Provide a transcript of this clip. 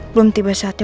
belum tiba saatnya